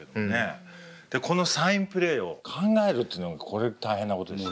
このサインプレーを考えるっていうのがこれ大変なことですよね。